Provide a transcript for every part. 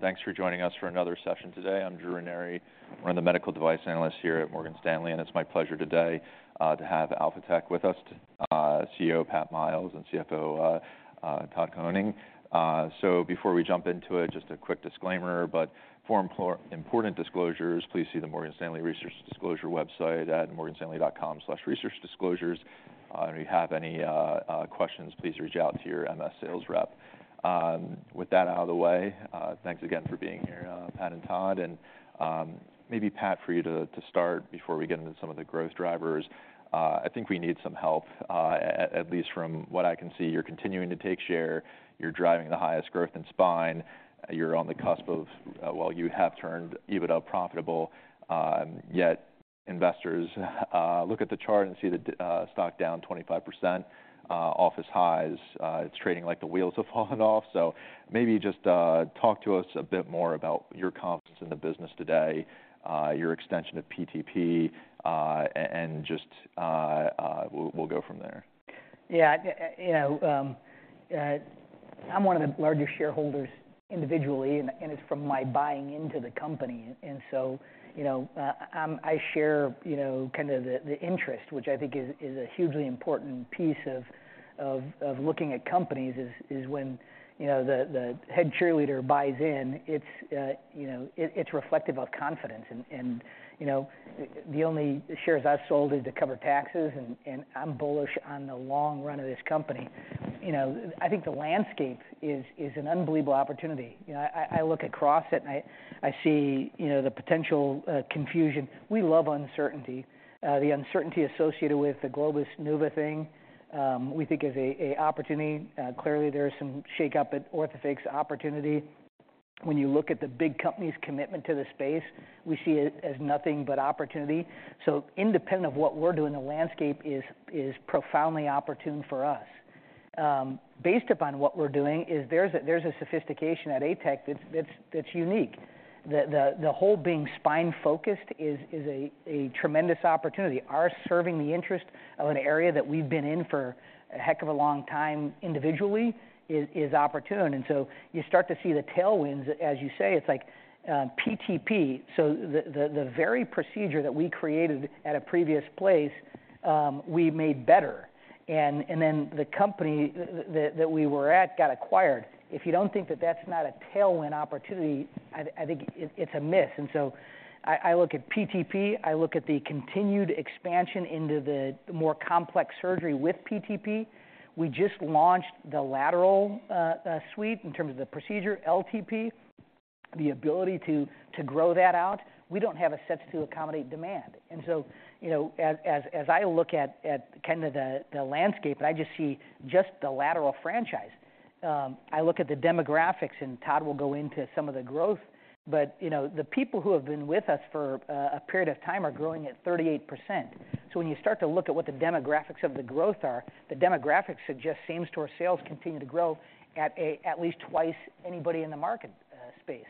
Thanks for joining us for another session today. I'm Drew Ranieri. I'm the medical device analyst here at Morgan Stanley, and it's my pleasure today to have Alphatec with us, CEO Pat Miles and CFO Todd Koning. So before we jump into it, just a quick disclaimer, but for important disclosures, please see the Morgan Stanley Research Disclosure website at morganstanley.com/researchdisclosures. If you have any questions, please reach out to your MS sales rep. With that out of the way, thanks again for being here, Pat and Todd. Maybe Pat, for you to start before we get into some of the growth drivers. I think we need some help. At least from what I can see, you're continuing to take share, you're driving the highest growth in spine, you're on the cusp of- well, you have turned EBITDA profitable. Yet investors look at the chart and see the stock down 25% off its highs. It's trading like the wheels have fallen off. So maybe just talk to us a bit more about your confidence in the business today, your extension of PTP, and just... We'll go from there. Yeah, you know, I'm one of the largest shareholders individually, and it's from my buying into the company. And so, you know, I share, you know, kind of the interest, which I think is a hugely important piece of looking at companies, is when, you know, the head cheerleader buys in, it's reflective of confidence. And you know, the only shares I've sold is to cover taxes, and I'm bullish on the long run of this company. You know, I think the landscape is an unbelievable opportunity. You know, I look across it, and I see, you know, the potential confusion. We love uncertainty. The uncertainty associated with the Globus-NuVasive thing, we think is an opportunity. Clearly, there is some shakeup at Orthofix, opportunity. When you look at the big company's commitment to the space, we see it as nothing but opportunity. So independent of what we're doing, the landscape is profoundly opportune for us. Based upon what we're doing, there's a sophistication at ATEC that's unique. The whole being spine-focused is a tremendous opportunity. Our serving the interest of an area that we've been in for a heck of a long time individually is opportune. And so you start to see the tailwinds, as you say, it's like PTP. So the very procedure that we created at a previous place, we made better, and then the company that we were at got acquired. If you don't think that that's not a tailwind opportunity, I, I think it, it's a miss. And so I, I look at PTP, I look at the continued expansion into the, the more complex surgery with PTP. We just launched the lateral suite in terms of the procedure, LTP, the ability to, to grow that out. We don't have assets to accommodate demand. And so, you know, as, as, as I look at, at kind of the, the landscape, and I just see just the lateral franchise. I look at the demographics, and Todd will go into some of the growth, but, you know, the people who have been with us for a, a period of time are growing at 38%. So when you start to look at what the demographics of the growth are, the demographics suggest same-store sales continue to grow at least twice anybody in the market space.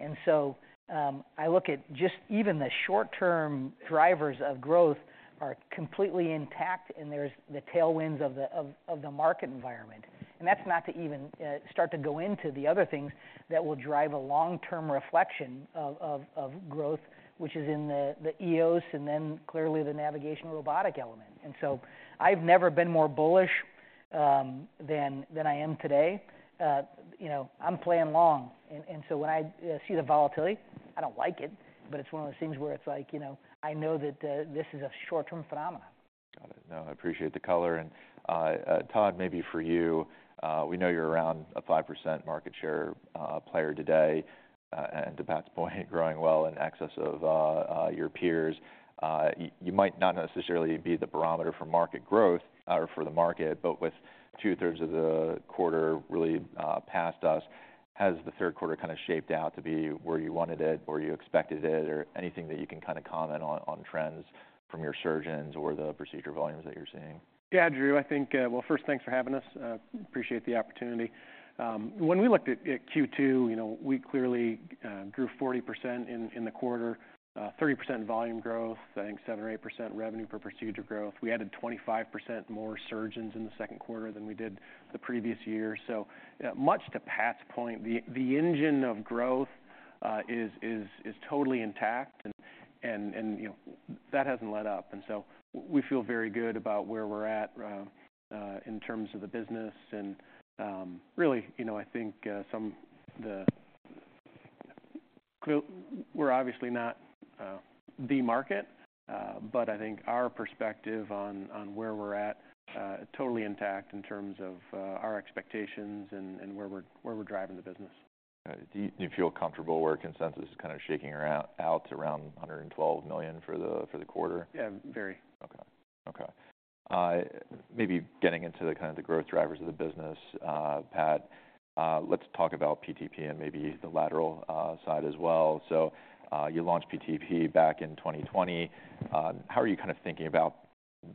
And so, I look at just even the short-term drivers of growth are completely intact, and there's the tailwinds of the market environment. And that's not to even start to go into the other things that will drive a long-term reflection of growth, which is in the EOS, and then clearly the navigational robotic element. And so I've never been more bullish than I am today. You know, I'm playing long, and so when I see the volatility, I don't like it, but it's one of those things where it's like, you know, I know that this is a short-term phenomenon. Got it. No, I appreciate the color. And, Todd, maybe for you, we know you're around a 5% market share player today, and to Pat's point, growing well in excess of your peers. You might not necessarily be the barometer for market growth or for the market, but with two-thirds of the quarter really past us, has the third quarter kind of shaped out to be where you wanted it or you expected it? Or anything that you can kind of comment on, on trends from your surgeons or the procedure volumes that you're seeing? Yeah, Drew, I think... Well, first, thanks for having us. Appreciate the opportunity. When we looked at Q2, you know, we clearly grew 40% in the quarter, 30% volume growth, I think 7% or 8% revenue per procedure growth. We added 25% more surgeons in the second quarter than we did the previous year. So, much to Pat's point, the engine of growth is totally intact, and you know, that hasn't let up. And so we feel very good about where we're at in terms of the business. Really, you know, I think we're obviously not the market, but I think our perspective on where we're at totally intact in terms of our expectations and where we're driving the business. Do you feel comfortable where consensus is kind of shaking out to around $112 million for the quarter? Yeah, very. Okay. Okay. Maybe getting into kind of the growth drivers of the business, Pat, let's talk about PTP and maybe the lateral side as well. So, you launched PTP back in 2020. How are you kind of thinking about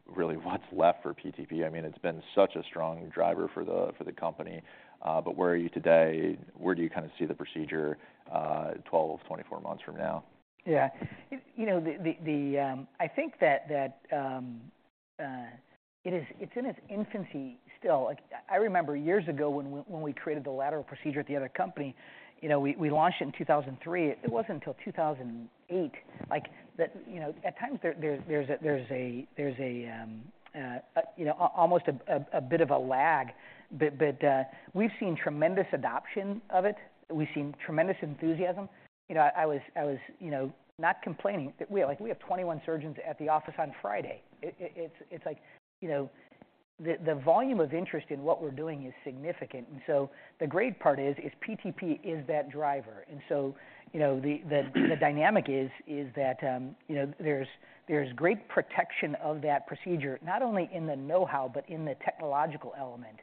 really what's left for PTP? I mean, it's been such a strong driver for the company, but where are you today? Where do you kind of see the procedure 12-24 months from now? Yeah. You know, I think that it is, it's in its infancy still. Like, I remember years ago when we created the lateral procedure at the other company, you know, we launched it in 2003. It wasn't until 2008, like, you know, at times there, there's almost a bit of a lag. But we've seen tremendous adoption of it. We've seen tremendous enthusiasm. You know, I was not complaining. We have 21 surgeons at the office on Friday. It's like, you know, the volume of interest in what we're doing is significant. And so the great part is PTP is that driver. You know, the dynamic is that, you know, there's great protection of that procedure, not only in the know-how, but in the technological element.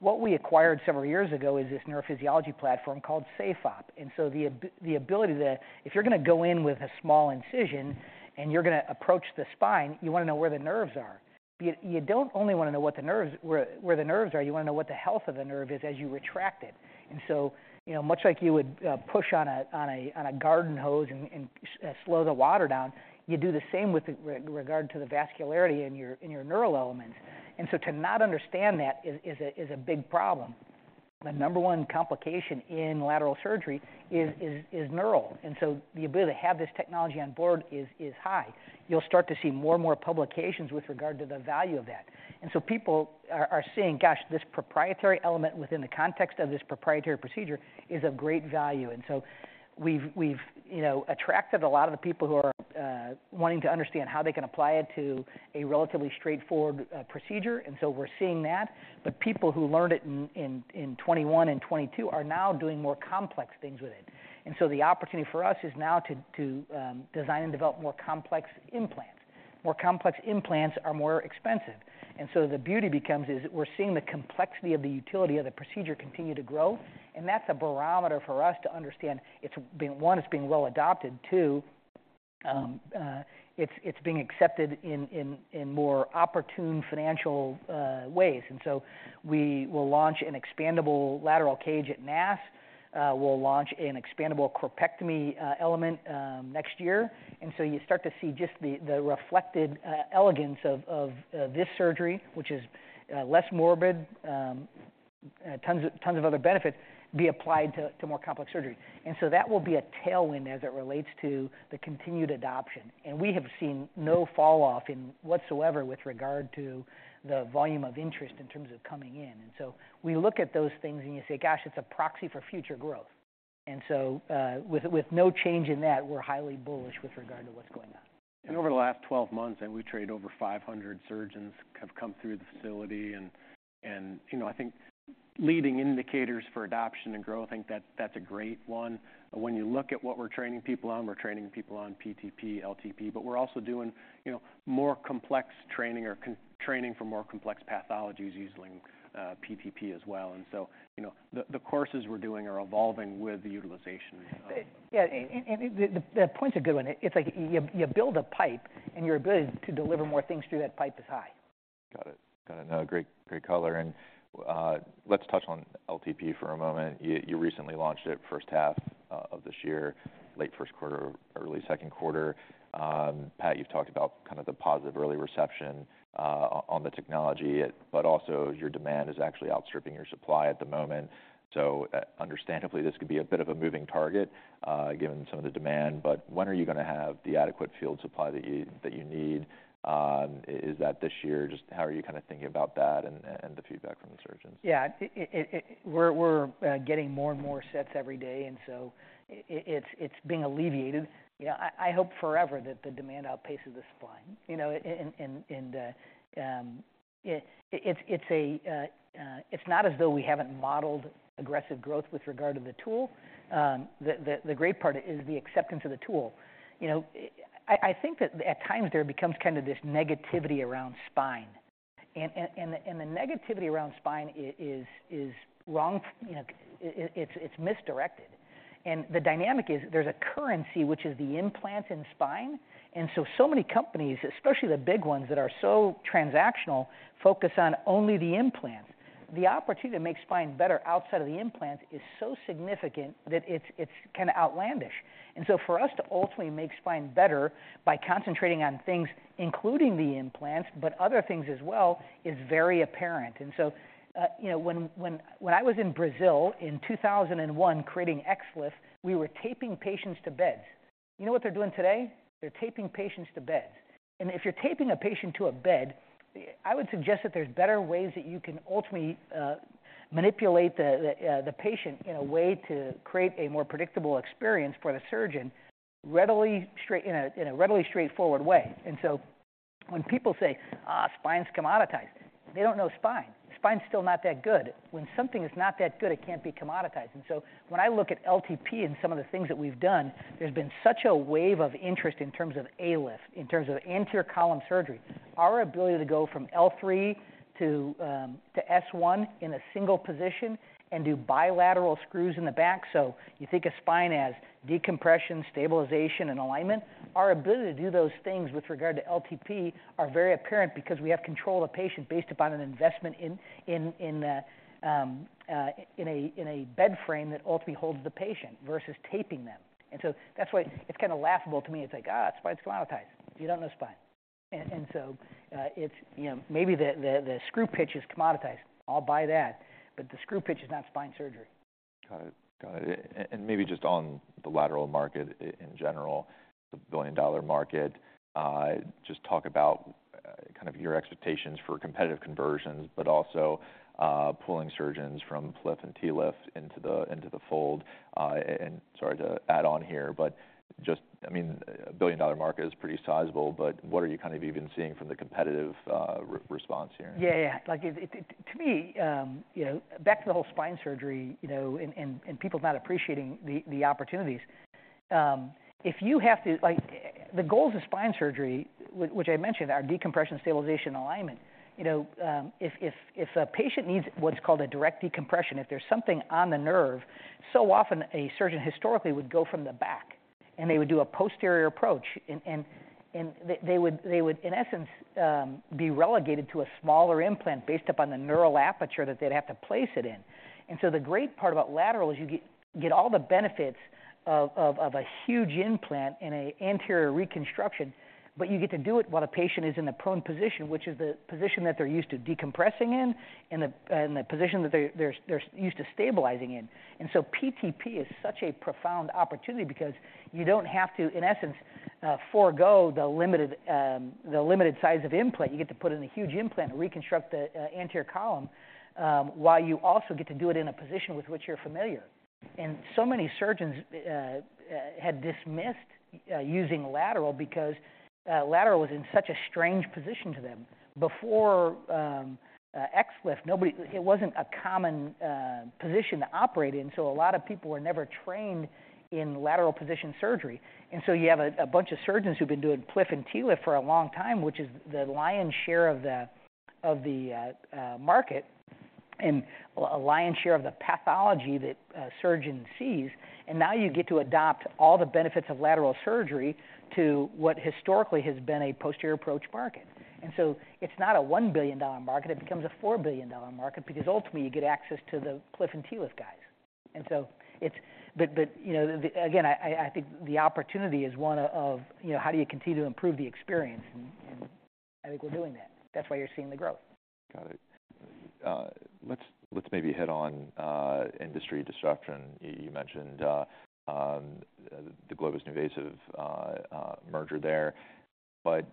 What we acquired several years ago is this neurophysiology platform called SafeOp. The ability to... If you're gonna go in with a small incision, and you're gonna approach the spine, you wanna know where the nerves are. You don't only wanna know where the nerves are, you wanna know what the health of the nerve is as you retract it. You know, much like you would push on a garden hose and slow the water down, you do the same with regard to the vascularity in your neural elements. And so to not understand that is a big problem. The number one complication in lateral surgery is neural. And so the ability to have this technology on board is high. You'll start to see more and more publications with regard to the value of that. And so people are seeing, gosh, this proprietary element within the context of this proprietary procedure is of great value. And so we've you know attracted a lot of the people who are wanting to understand how they can apply it to a relatively straightforward procedure, and so we're seeing that. But people who learned it in 2021 and 2022 are now doing more complex things with it. And so the opportunity for us is now to design and develop more complex implants. More complex implants are more expensive. And so the beauty becomes is, we're seeing the complexity of the utility of the procedure continue to grow, and that's a barometer for us to understand it's being... One, it's being well-adopted. Two, it's being accepted in more opportune financial ways. And so we will launch an expandable lateral cage at NASS. We'll launch an expandable corpectomy element next year. And so you start to see just the reflected elegance of this surgery, which is less morbid, tons of other benefits, be applied to more complex surgery. And so that will be a tailwind as it relates to the continued adoption. And we have seen no falloff in whatsoever with regard to the volume of interest in terms of coming in. And so we look at those things and you say, "Gosh, it's a proxy for future growth." And so, with no change in that, we're highly bullish with regard to what's going on. Over the last 12 months, we trained over 500 surgeons who have come through the facility. You know, I think leading indicators for adoption and growth, I think that's a great one. When you look at what we're training people on, we're training people on PTP, LTP, but we're also doing, you know, more complex training for more complex pathologies using PTP as well. And so, you know, the courses we're doing are evolving with the utilization. Yeah, the point's a good one. It's like you build a pipe, and your ability to deliver more things through that pipe is high. Got it. Got it. No, great, great color. And, let's touch on LTP for a moment. You, you recently launched it first half, of this year, late first quarter, early second quarter. Pat, you've talked about kind of the positive early reception, on the technology, but also your demand is actually outstripping your supply at the moment. So understandably, this could be a bit of a moving target, given some of the demand, but when are you gonna have the adequate field supply that you, that you need? Is that this year? Just how are you kind of thinking about that and, and the feedback from the surgeons? Yeah. We're getting more and more sets every day, and so it's being alleviated. You know, I hope forever that the demand outpaces the supply, you know. It's not as though we haven't modeled aggressive growth with regard to the tool. The great part is the acceptance of the tool. You know, I think that at times there becomes kind of this negativity around spine. The negativity around spine is wrong, you know, it's misdirected. The dynamic is there's a currency, which is the implant in spine. So many companies, especially the big ones that are so transactional, focus on only the implant. The opportunity to make spine better outside of the implant is so significant that it's kind of outlandish. So for us to ultimately make spine better by concentrating on things, including the implants, but other things as well, is very apparent. You know, when I was in Brazil in 2001, creating XLIF, we were taping patients to beds. You know what they're doing today? They're taping patients to beds. And if you're taping a patient to a bed, I would suggest that there's better ways that you can ultimately manipulate the patient in a way to create a more predictable experience for the surgeon, in a readily straightforward way. So when people say, "Ah, spine's commoditized," they don't know spine. Spine's still not that good. When something is not that good, it can't be commoditized. And so when I look at LTP and some of the things that we've done, there's been such a wave of interest in terms of ALIF, in terms of anterior column surgery. Our ability to go from L3 to S1 in a single position and do bilateral screws in the back, so you think of spine as decompression, stabilization, and alignment. Our ability to do those things with regard to LTP are very apparent because we have control of the patient based upon an investment in a bed frame that ultimately holds the patient versus taping them. And so that's why it's kind of laughable to me. It's like, "Ah, spine's commoditized." You don't know spine. It's, you know, maybe the screw pitch is commoditized. I'll buy that, but the screw pitch is not spine surgery. Got it, got it. And maybe just on the lateral market in general, the billion-dollar market, just talk about kind of your expectations for competitive conversions, but also pulling surgeons from PLIF and TLIF into the fold. And sorry to add on here, but just—I mean, a billion-dollar market is pretty sizable, but what are you kind of even seeing from the competitive response here? Yeah, yeah. Like, to me, you know, back to the whole spine surgery, you know, and people not appreciating the opportunities. Like, the goals of spine surgery, which I mentioned, are decompression, stabilization, and alignment. You know, if a patient needs what's called a direct decompression, if there's something on the nerve, so often a surgeon historically would go from the back, and they would do a posterior approach, and they would, in essence, be relegated to a smaller implant based upon the neural aperture that they'd have to place it in. And so the great part about lateral is you get all the benefits of a huge implant in an anterior reconstruction, but you get to do it while the patient is in the prone position, which is the position that they're used to decompressing in and the position that they're used to stabilizing in. And so PTP is such a profound opportunity because you don't have to, in essence, forgo the limited size of implant. You get to put in a huge implant and reconstruct the anterior column while you also get to do it in a position with which you're familiar. And so many surgeons had dismissed using lateral because lateral was in such a strange position to them. Before XLIF, nobody... It wasn't a common position to operate in, so a lot of people were never trained in lateral position surgery. And so you have a bunch of surgeons who've been doing PLIF and TLIF for a long time, which is the lion's share of the market and a lion's share of the pathology that a surgeon sees. And now you get to adopt all the benefits of lateral surgery to what historically has been a posterior approach market. And so it's not a $1 billion market, it becomes a $4 billion market because ultimately you get access to the PLIF and TLIF guys. And so it's... But, you know, the, again, I think the opportunity is one of, you know, how do you continue to improve the experience? And I think we're doing that. That's why you're seeing the growth. Got it. Let's maybe hit on industry disruption. You mentioned the Globus-NuVasive merger there. But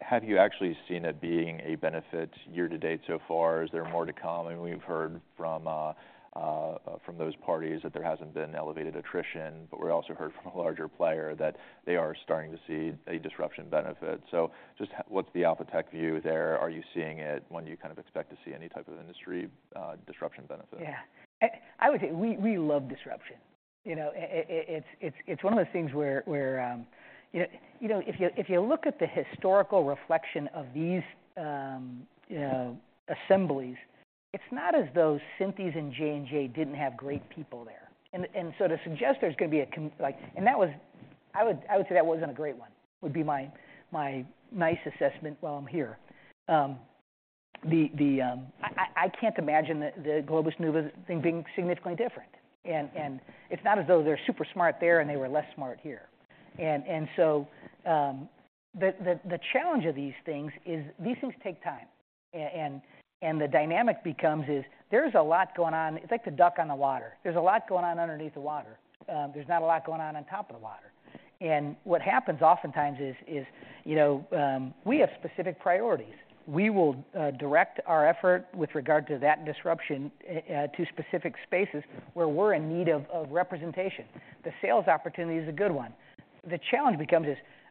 have you actually seen it being a benefit year to date so far? Is there more to come? And we've heard from those parties that there hasn't been elevated attrition, but we also heard from a larger player that they are starting to see a disruption benefit. So just what's the Alphatec view there? Are you seeing it? When do you kind of expect to see any type of industry disruption benefit? Yeah. I would say we love disruption. You know, it's one of those things where, you know, if you look at the historical reflection of these assemblies, it's not as though Synthes and J&J didn't have great people there. And so to suggest there's going to be a combination like that. That wasn't a great one, would be my nice assessment while I'm here. I can't imagine that the Globus NuVasive thing being significantly different. And it's not as though they're super smart there, and they were less smart here. And so, the challenge of these things is these things take time, and the dynamic becomes is there's a lot going on. It's like the duck on the water. There's a lot going on underneath the water. There's not a lot going on on top of the water. And what happens oftentimes is, you know, we have specific priorities. We will direct our effort with regard to that disruption to specific spaces where we're in need of representation. The sales opportunity is a good one. The challenge becomes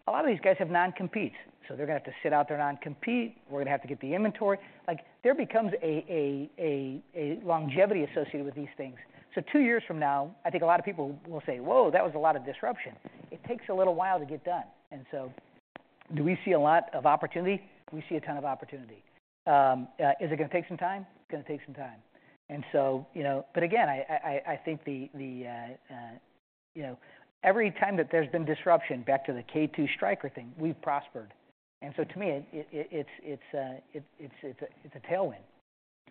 a lot of these guys have non-competes, so they're gonna have to sit out their non-compete. We're gonna have to get the inventory. Like, there becomes a longevity associated with these things. So two years from now, I think a lot of people will say, "Whoa, that was a lot of disruption." It takes a little while to get done. And so do we see a lot of opportunity? We see a ton of opportunity. Is it gonna take some time? It's gonna take some time. And so, you know... But again, I think you know, every time that there's been disruption, back to the K2M Stryker thing, we've prospered. And so to me, it's a tailwind.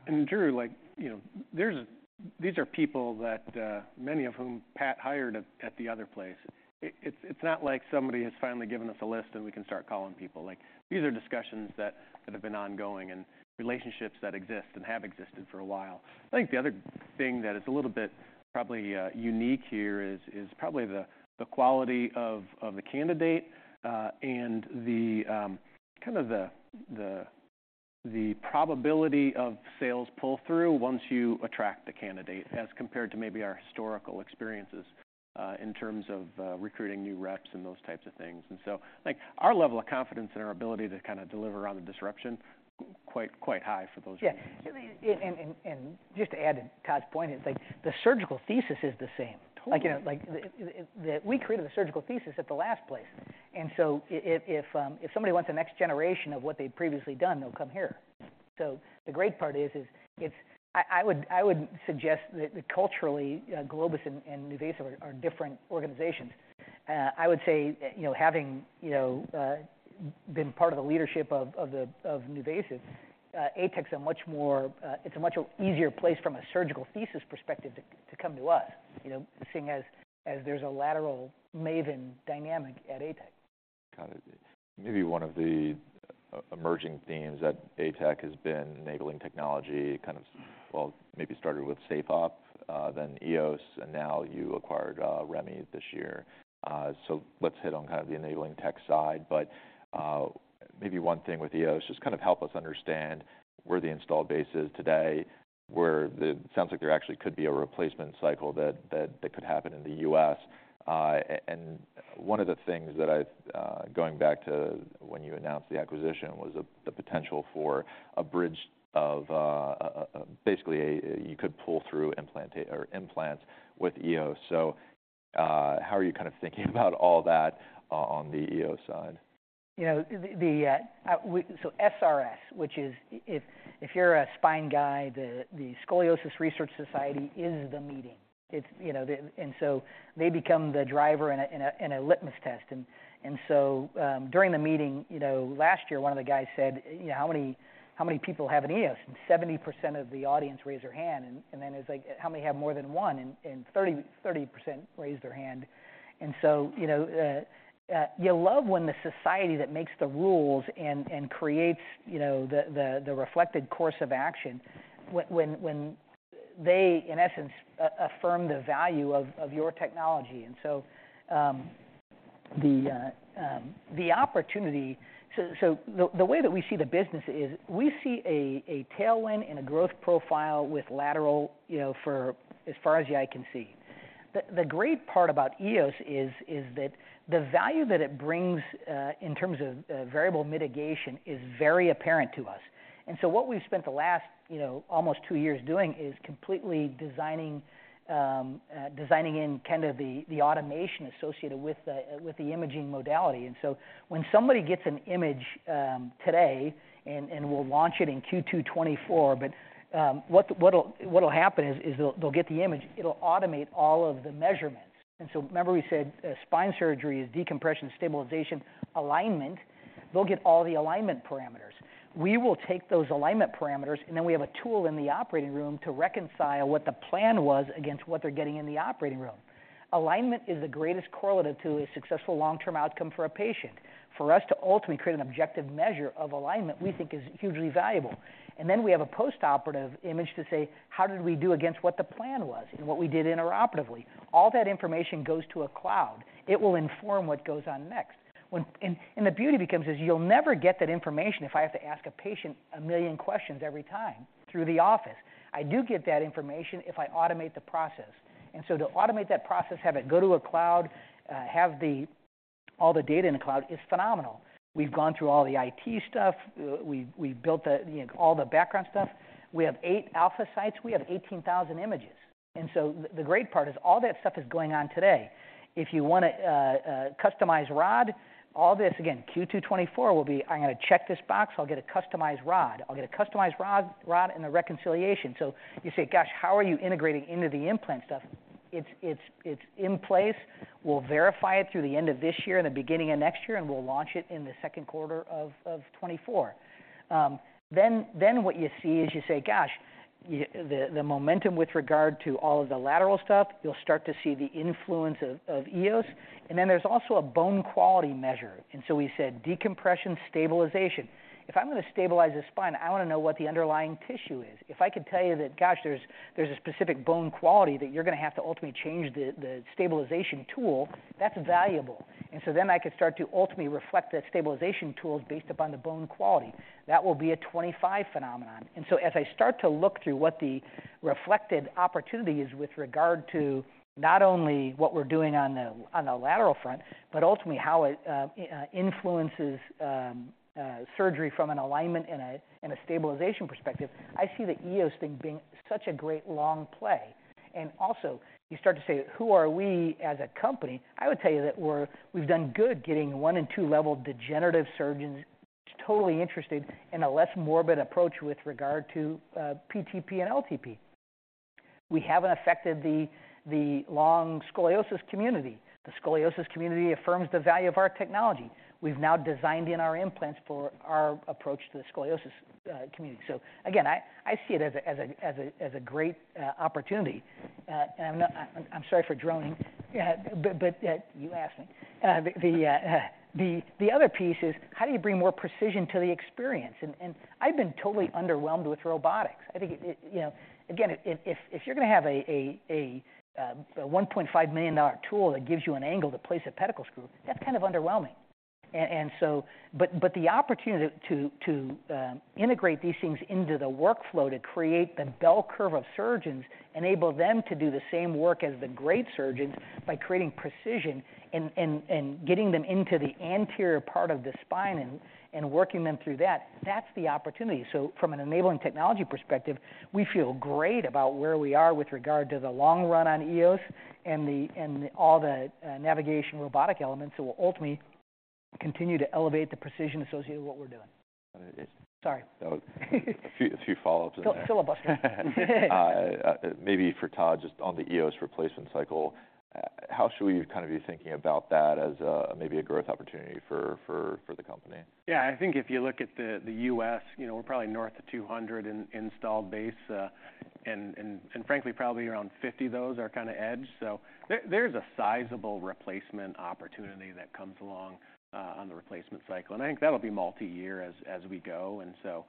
And Drew, like, you know, there's a—these are people that many of whom Pat hired at the other place. It's not like somebody has finally given us a list, and we can start calling people. Like, these are discussions that have been ongoing and relationships that exist and have existed for a while. I think the other thing that is a little bit probably unique here is probably the quality of the candidate and the kind of the probability of sales pull-through once you attract the candidate, as compared to maybe our historical experiences in terms of recruiting new reps and those types of things. And so I think our level of confidence and our ability to kind of deliver on the disruption quite high for those- Yeah. And just to add to Todd's point, it's like the surgical thesis is the same. Totally. Like, you know, we created a surgical thesis at the last place, and so if, if somebody wants the next generation of what they'd previously done, they'll come here. So the great part is, it's... I would suggest that culturally, Globus and NuVasive are different organizations. I would say, you know, having, you know, been part of the leadership of NuVasive, ATEC is a much more, it's a much easier place from a surgical thesis perspective to come to us, you know, seeing as there's a lateral maven dynamic at ATEC.... kind of maybe one of the emerging themes at ATEC has been enabling technology, kind of, well, maybe started with SafeOp, then EOS, and now you acquired, REMI this year. So let's hit on kind of the enabling tech side. But, maybe one thing with EOS, just kind of help us understand where the installed base is today, where the-- it sounds like there actually could be a replacement cycle that could happen in the US. And one of the things that I've, going back to when you announced the acquisition, was the potential for a bridge of, basically a, you could pull through implants with EOS. So, how are you kind of thinking about all that, on the EOS side? You know, so SRS, which is, if you're a spine guy, the Scoliosis Research Society is the meeting. It's, you know, the—and so they become the driver and a litmus test. And so, during the meeting, you know, last year, one of the guys said, "How many people have an EOS?" And 70% of the audience raised their hand. And then it was like: "How many have more than one?" And 30% raised their hand. And so, you know, you love when the society that makes the rules and creates, you know, the reflected course of action, when they, in essence, affirm the value of your technology. And so, the opportunity... So, the way that we see the business is, we see a tailwind and a growth profile with lateral, you know, for as far as the eye can see. The great part about EOS is that the value that it brings in terms of variable mitigation is very apparent to us. And so what we've spent the last, you know, almost two years doing, is completely designing in kind of the automation associated with the imaging modality. And so when somebody gets an image today, and we'll launch it in Q2 2024, but what'll happen is they'll get the image, it'll automate all of the measurements. And so remember we said spine surgery is decompression, stabilization, alignment. They'll get all the alignment parameters. We will take those alignment parameters, and then we have a tool in the operating room to reconcile what the plan was against what they're getting in the operating room. Alignment is the greatest correlative to a successful long-term outcome for a patient. For us to ultimately create an objective measure of alignment, we think is hugely valuable. Then we have a post-operative image to say, "How did we do against what the plan was and what we did intraoperatively?" All that information goes to a cloud. It will inform what goes on next. And the beauty becomes is, you'll never get that information if I have to ask a patient a million questions every time through the office. I do get that information if I automate the process. To automate that process, have it go to a cloud, have all the data in the cloud, is phenomenal. We've gone through all the IT stuff. We built the, you know, all the background stuff. We have 8 alpha sites. We have 18,000 images. The great part is all that stuff is going on today. If you want a customized rod, all this... Again, Q2 2024 will be, "I'm gonna check this box, I'll get a customized rod. I'll get a customized rod and a reconciliation." So you say, "Gosh, how are you integrating into the implant stuff?" It's in place. We'll verify it through the end of this year and the beginning of next year, and we'll launch it in the second quarter of 2024. Then what you see is you say, gosh, the momentum with regard to all of the lateral stuff, you'll start to see the influence of EOS. And then there's also a bone quality measure. And so we said decompression, stabilization. If I'm gonna stabilize the spine, I wanna know what the underlying tissue is. If I could tell you that, gosh, there's a specific bone quality that you're gonna have to ultimately change the stabilization tool, that's valuable. And so then I could start to ultimately reflect the stabilization tools based upon the bone quality. That will be a 2025 phenomenon. And so as I start to look through what the reflected opportunity is with regard to not only what we're doing on the lateral front, but ultimately how it influences surgery from an alignment and a stabilization perspective, I see the EOS thing being such a great long play. And also, you start to say: Who are we as a company? I would tell you that we've done good getting one and two-level degenerative surgeons totally interested in a less morbid approach with regard to PTP and LTP. We haven't affected the long scoliosis community. The scoliosis community affirms the value of our technology. We've now designed in our implants for our approach to the scoliosis community. So again, I see it as a great opportunity. And I'm not... I'm sorry for droning, but you asked me. The other piece is, how do you bring more precision to the experience? And I've been totally underwhelmed with robotics. I think it, you know. Again, if you're gonna have a $1.5 million tool that gives you an angle to place a pedicle screw, that's kind of underwhelming. But the opportunity to integrate these things into the workflow, to create the bell curve of surgeons, enable them to do the same work as the great surgeons by creating precision and getting them into the anterior part of the spine and working them through that, that's the opportunity. From an enabling technology perspective, we feel great about where we are with regard to the long run on EOS and all the navigation robotic elements that will ultimately continue to elevate the precision associated with what we're doing. Sorry. A few follow-ups in there. Syllabus guy. Maybe for Todd, just on the EOS replacement cycle. How should we kind of be thinking about that as a, maybe a growth opportunity for the company? Yeah, I think if you look at the U.S., you know, we're probably north of 200 in installed base, and frankly, probably around 50 of those are kind of Edge. So there's a sizable replacement opportunity that comes along on the replacement cycle, and I think that'll be multi-year as we go. And so,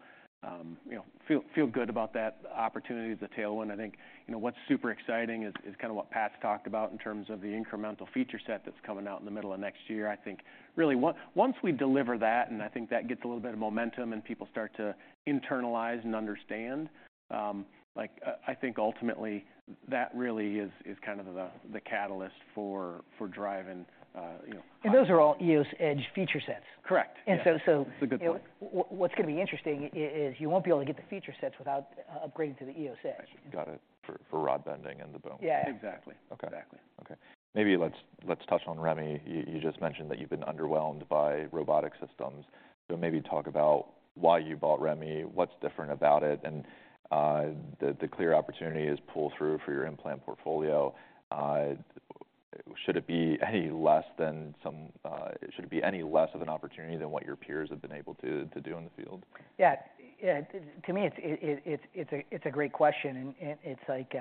you know, feel good about that opportunity as a tailwind. I think, you know, what's super exciting is kind of what Pat's talked about in terms of the incremental feature set that's coming out in the middle of next year. I think really once we deliver that, and I think that gets a little bit of momentum, and people start to internalize and understand, like, I think ultimately, that really is kind of the catalyst for driving, you know- Those are all EOS Edge feature sets. Correct. And so, It's a good point.... What's gonna be interesting is you won't be able to get the feature sets without upgrading to the EOS Edge. Got it. For rod bending and the bone. Yeah. Exactly. Okay. Exactly. Okay. Maybe let's touch on REMI. You just mentioned that you've been underwhelmed by robotic systems, so maybe talk about why you bought REMI, what's different about it, and the clear opportunity is pull through for your implant portfolio. Should it be any less of an opportunity than what your peers have been able to do in the field? Yeah. Yeah, to me, it's a great question, and it's like,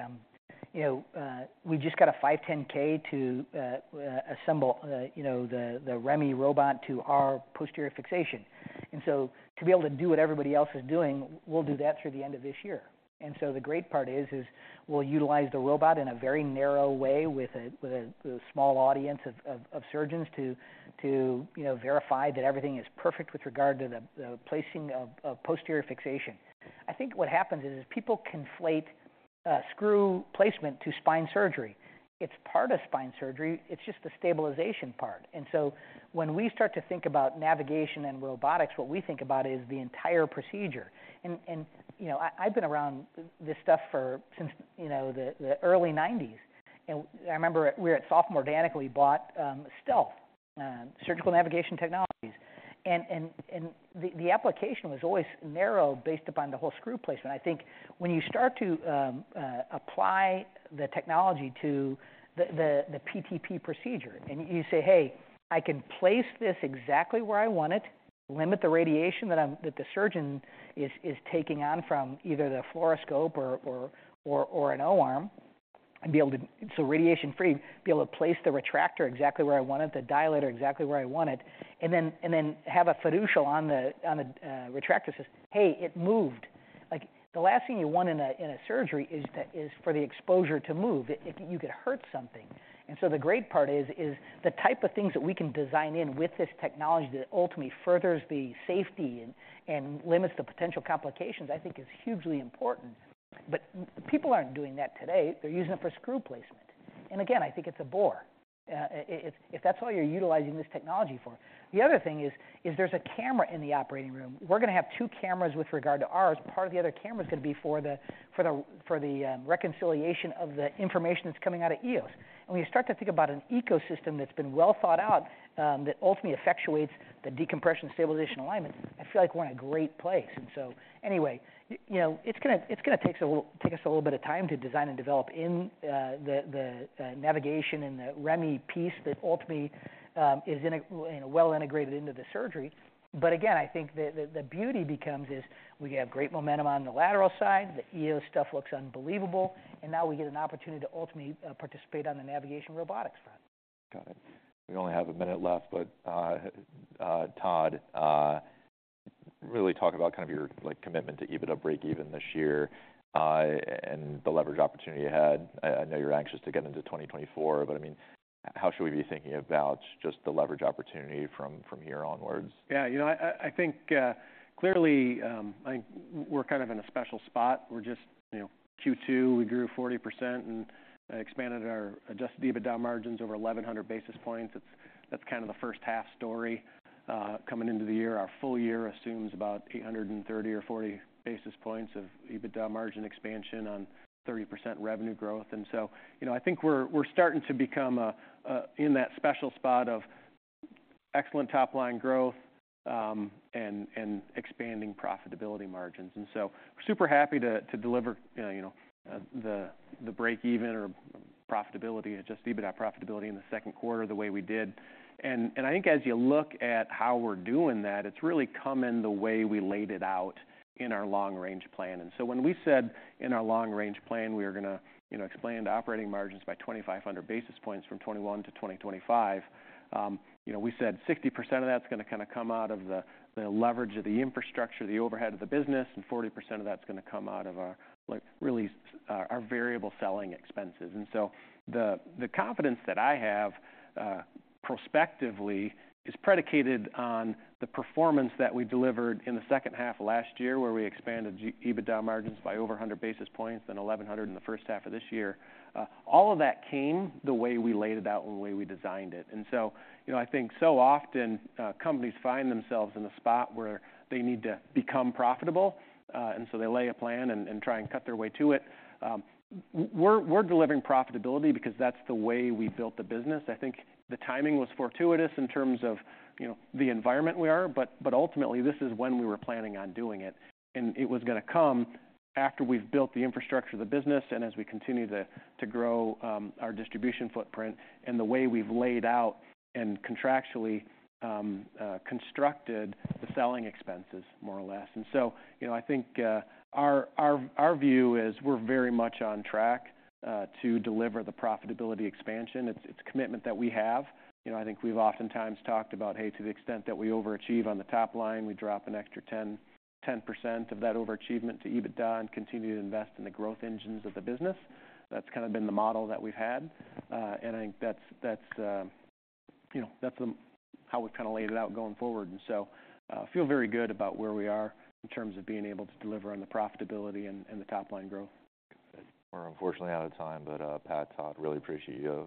you know, we just got a 510(k) to assemble, you know, the REMI robot to our posterior fixation. And so to be able to do what everybody else is doing, we'll do that through the end of this year. And so the great part is, we'll utilize the robot in a very narrow way with a small audience of surgeons to, you know, verify that everything is perfect with regard to the placing of posterior fixation. I think what happens is, people conflate screw placement to spine surgery. It's part of spine surgery, it's just the stabilization part. And so when we start to think about navigation and robotics, what we think about is the entire procedure. You know, I've been around this stuff since the early 1990s, and I remember we were at Sofamor Danek bought Stealth Surgical Navigation Technologies, and the application was always narrow based upon the whole screw placement. I think when you start to apply the technology to the PTP procedure, and you say, "Hey, I can place this exactly where I want it, limit the radiation that the surgeon is taking on from either the fluoroscope or an O-arm, and be able to... So radiation-free, be able to place the retractor exactly where I want it, the dilator, exactly where I want it, and then have a fiducial on the retractor system. "Hey, it moved." Like, the last thing you want in a surgery is for the exposure to move. It, you could hurt something. And so the great part is the type of things that we can design in with this technology that ultimately furthers the safety and limits the potential complications, I think is hugely important. But people aren't doing that today. They're using it for screw placement. And again, I think it's a bore if that's all you're utilizing this technology for. The other thing is there's a camera in the operating room. We're gonna have two cameras with regard to ours. Part of the other camera's gonna be for the reconciliation of the information that's coming out of EOS. And when you start to think about an ecosystem that's been well thought out, that ultimately effectuates the decompression, stabilization, alignment, I feel like we're in a great place. And so anyway, you know, it's gonna take us a little bit of time to design and develop the navigation and the REMI piece that ultimately is well integrated into the surgery. But again, I think the beauty becomes is we have great momentum on the lateral side. The EOS stuff looks unbelievable, and now we get an opportunity to ultimately participate on the navigation robotics front. Got it. We only have a minute left, but, Todd, really talk about kind of your, like, commitment to EBITDA breakeven this year, and the leverage opportunity you had. I know you're anxious to get into 2024, but I mean, how should we be thinking about just the leverage opportunity from here onwards? Yeah, you know, I think clearly I think we're kind of in a special spot. We're just, you know, Q2, we grew 40% and expanded our adjusted EBITDA margins over 1,100 basis points. That's, that's kind of the first half story. Coming into the year, our full year assumes about 830 or 840 basis points of EBITDA margin expansion on 30% revenue growth. And so, you know, I think we're starting to become in that special spot of excellent top-line growth, and expanding profitability margins. And so we're super happy to deliver, you know, the breakeven or profitability, adjusted EBITDA profitability in the second quarter, the way we did. I think as you look at how we're doing that, it's really coming the way we laid it out in our long-range plan. So when we said in our long-range plan, we are gonna, you know, expand operating margins by 2,500 basis points from 2021 to 2025, you know, we said 60% of that's gonna kinda come out of the, the leverage of the infrastructure, the overhead of the business, and 40% of that's gonna come out of our, like, really, our variable selling expenses. So the, the confidence that I have, prospectively is predicated on the performance that we delivered in the second half of last year, where we expanded the EBITDA margins by over 100 basis points, then 1,100 in the first half of this year. All of that came the way we laid it out and the way we designed it. And so, you know, I think so often companies find themselves in the spot where they need to become profitable, and so they lay a plan and try and cut their way to it. We're delivering profitability because that's the way we built the business. I think the timing was fortuitous in terms of, you know, the environment we are, but ultimately, this is when we were planning on doing it, and it was gonna come after we've built the infrastructure of the business and as we continue to grow our distribution footprint and the way we've laid out and contractually constructed the selling expenses, more or less. You know, I think our view is we're very much on track to deliver the profitability expansion. It's a commitment that we have. You know, I think we've oftentimes talked about, hey, to the extent that we overachieve on the top line, we drop an extra 10% of that overachievement to EBITDA and continue to invest in the growth engines of the business. That's kind of been the model that we've had. And I think that's, you know, that's how we've kind of laid it out going forward. And so, feel very good about where we are in terms of being able to deliver on the profitability and the top-line growth. We're unfortunately out of time, but Pat, Todd, really appreciate you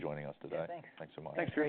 joining us today. Yeah, thanks. Thanks so much. Thanks, Drew.